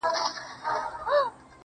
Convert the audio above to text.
اې ستا قامت دي هچيش داسي د قيامت مخته وي,